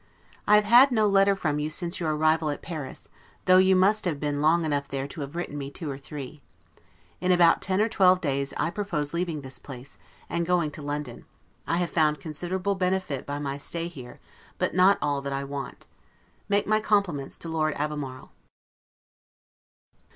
I have had no letter from you since your arrival at Paris, though you must have been long enough there to have written me two or three. In about ten or twelve days I propose leaving this place, and going to London; I have found considerable benefit by my stay here, but not all that I want. Make my compliments to Lord Albemarle.